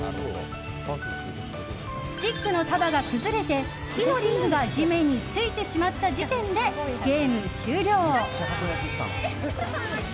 スティックの束が崩れて木のリングが地面についてしまった時点でゲーム終了。